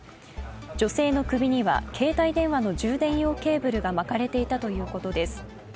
女性の首には携帯電話の充電用ケーブルが巻かれていたということです。